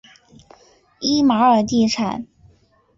伊玛尔地产。